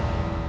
om juga mau ya